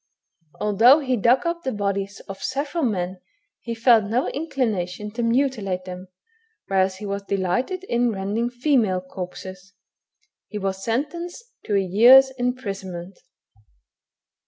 Although he dug up the bodies of several men he felt no inclination to mutilate them, whereas he delighted in rending female corpses. He was sentenced to a year's imprisonment.